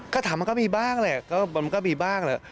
ก็ถามมันก็มีบ้างแหละมันก็มีบ้างแหละ